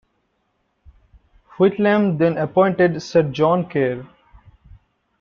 Whitlam then appointed Sir John Kerr.